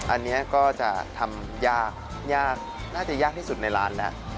อันนี้ก็จะทำยากยากน่าจะยากที่สุดในร้านแล้ว